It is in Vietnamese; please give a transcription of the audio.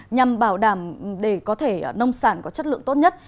nhằm bảo đảm để có thể nông sản có chất lượng tốt nhất